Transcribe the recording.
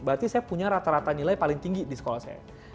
berarti saya punya rata rata nilai paling tinggi di sekolah saya